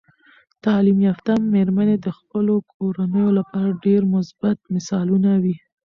تعلیم یافته میرمنې د خپلو کورنیو لپاره ډیر مثبت مثالونه وي.